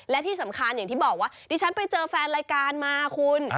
และที่สำคัญอย่างที่บอกว่าดิฉันไปเจอแฟนรายการมาคุณ